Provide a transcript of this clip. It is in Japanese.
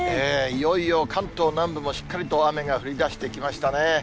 いよいよ、関東南部もしっかりと雨が降りだしてきましたね。